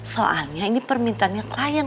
soalnya ini permintaannya klien